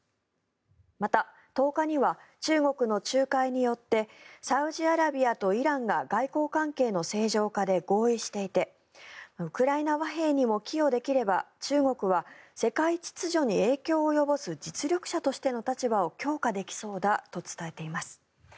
また、１０日には中国の仲介によってサウジアラビアとイランが外交関係の正常化で合意していてウクライナ和平にも寄与できれば中国は世界秩序に影響を及ぼす実力者としての立場を強化できそうだと伝えています。